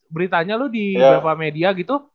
beritanya lu di berapa media